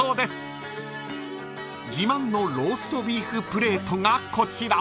［自慢のローストビーフプレートがこちら］